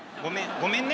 ごめんね。